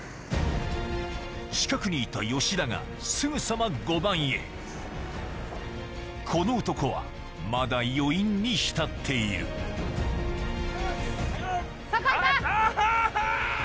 近くにいた吉田がすぐさま５番へこの男はまだ余韻に浸っている酒井さん！